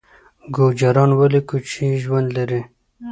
ګوجران ولې کوچي ژوند لري؟